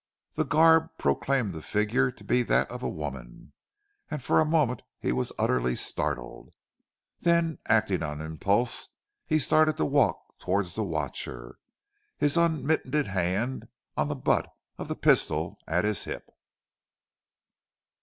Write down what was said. The garb proclaimed the figure to be that of a woman, and for a moment he was utterly startled. Then, acting on impulse, he started to walk towards the watcher, his unmittened hand on the butt of the pistol at his hip.